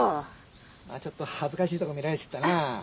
ちょっと恥ずかしいとこ見られちったなあ。